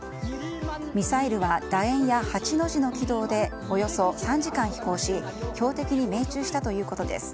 ミサイルは楕円や８の字の軌道でおよそ３時間飛行し標的に命中したということです。